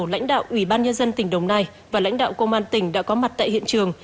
lãnh đạo ủy ban nhân dân tỉnh đồng nai và lãnh đạo công an tỉnh đã có mặt tại hiện trường